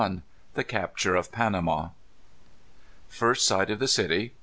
The Capture of Panama. First Sight of the City.